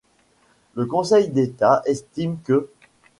Le Conseil d'État estime qu'.